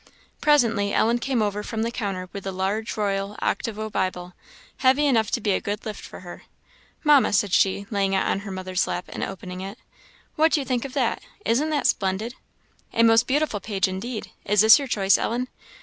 Presently Ellen came over from the counter with a large royal octavo Bible, heavy enough to be a good lift for her. "Mamma," said she, laying it on her mother's lap, and opening it, "what do you think of that? isn't that splendid?" "A most beautiful page indeed; is this your choice, Ellen?"